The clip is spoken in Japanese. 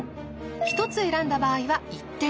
１つ選んだ場合は１点。